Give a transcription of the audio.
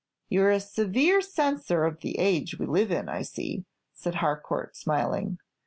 "You're a severe censor of the age we live in, I see," said Harcourt, smiling.